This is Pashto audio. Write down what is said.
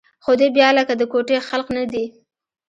خو دوى بيا لکه د کوټې خلق نه دي.